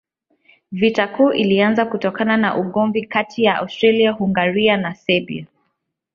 Vita Kuu ilianza kutokana na ugomvi kati ya Austria-Hungaria na Serbia.